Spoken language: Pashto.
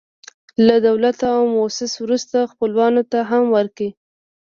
له دولت او موسسو وروسته، خپلوانو ته هم ورکړه.